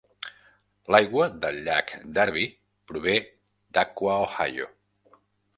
L'aigua del llac Darby prové d'Aqua Ohio.